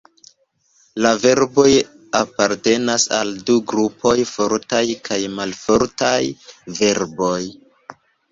La verboj apartenas al du grupoj, fortaj kaj malfortaj verboj.